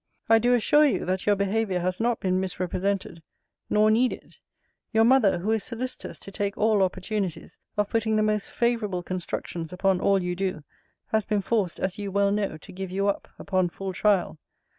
I do assure you, that your behaviour has not been misrepresented nor need it. Your mother, who is solicitous to take all opportunities of putting the most favourable constructions upon all you do, has been forced, as you well know, to give you up, upon full trial.